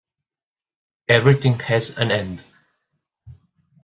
Everything has an end.